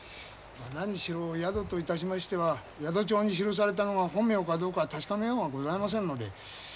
何しろ宿といたしましては宿帳に記されたのが本名かどうか確かめようがございませんので。